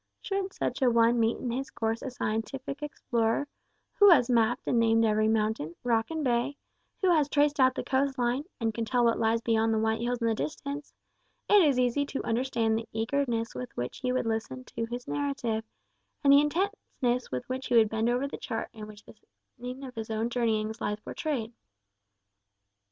Should such an one meet in his course a scientific explorer, who has mapped and named every mountain, rock, and bay, who has traced out the coast line, and can tell what lies beyond the white hills in the distance, it is easy to understand the eagerness with which he would listen to his narrative, and the intentness with which he would bend over the chart in which the scene of his own journeyings lies portrayed.